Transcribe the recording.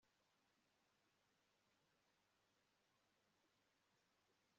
Yibanze cyane kuri iyi ngingo